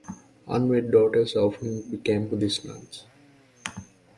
Unwed daughters often became Buddhist nuns.